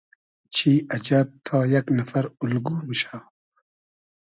چی اجئب تا یئگ نئفر اولگو موشۂ